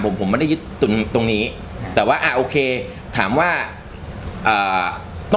ประมาณนี้ครับ